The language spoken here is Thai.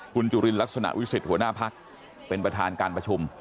คุณจุลินลักษณะวิสิทธิหัวหน้าพักเป็นประธานการประชุม